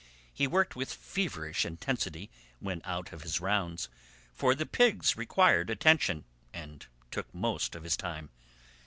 He worked with feverish intensity when out on his rounds, for the pigs required attention and took most of his time.